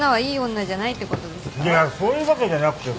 いやいやそういうことじゃなくてさ。